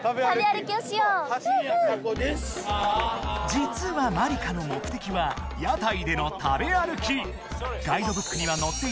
［実はまりかの目的は屋台での食べ歩き］